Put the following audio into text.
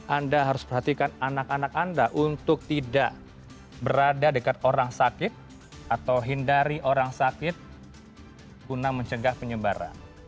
anda harus perhatikan anak anak anda untuk tidak berada dekat orang sakit atau hindari orang sakit guna mencegah penyebaran